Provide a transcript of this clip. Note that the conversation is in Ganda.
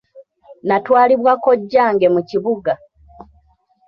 Natwalibwa kojjange mu kibuga.